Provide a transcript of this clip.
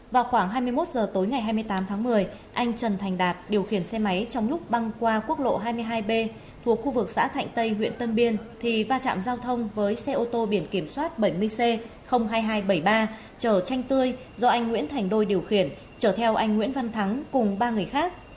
vào khoảng hai mươi một h tối ngày hai mươi tám tháng một mươi anh trần thành đạt điều khiển xe máy trong lúc băng qua quốc lộ hai mươi hai b thuộc khu vực xã thạnh tây huyện tân biên thì va chạm giao thông với xe ô tô biển kiểm soát bảy mươi c hai nghìn hai trăm bảy mươi ba chở chanh tươi do anh nguyễn thành đôi điều khiển chở theo anh nguyễn văn thắng cùng ba người khác